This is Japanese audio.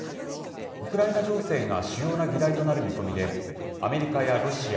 ウクライナ情勢が主要な議題となる見込みで、アメリカやロシア、